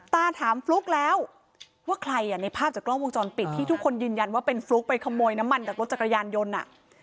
ตาถามฟลุ๊กแล้วว่าใครอ่ะในภาพจากกล้องวงจรปิดที่ทุกคนยืนยันว่าเป็นฟลุ๊กไปขโมยน้ำมันจากรถจักรยานยนต์อ่ะ